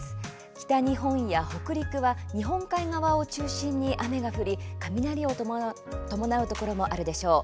北日本や北陸は日本海側を中心に雨が降り雷を伴うところがあるでしょう。